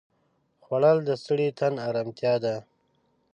خوړل د ستړي تن ارامتیا ده